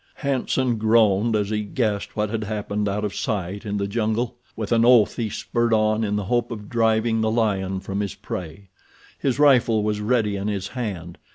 Hanson groaned as he guessed what had happened out of sight in the jungle. With an oath he spurred on in the hope of driving the lion from his prey—his rifle was ready in his hand.